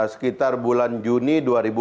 sekitar bulan juni dua ribu empat belas